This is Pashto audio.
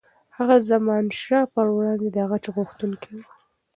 هغه د زمانشاه پر وړاندې د غچ غوښتونکی و.